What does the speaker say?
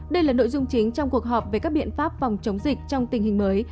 đây là nội dung chính trong cuộc họp về các biện pháp phòng chống dịch trong tình hình mới